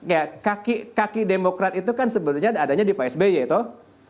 ya kaki demokrat itu kan sebenarnya adanya di pak sby toh